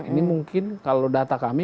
ini mungkin kalau data kami